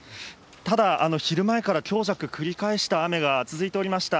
ただ、昼前から強弱繰り返した雨が続いておりました。